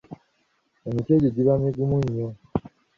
Emiti egyo giba migumu nnyo.